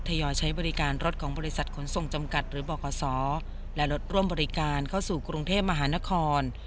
ยอยใช้บริการรถของบริษัทขนส่งจำกัดหรือบขและรถร่วมบริการเข้าสู่กรุงเทพมหานคร